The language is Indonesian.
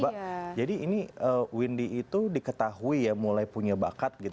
mbak jadi ini windy itu diketahui ya mulai punya bakat gitu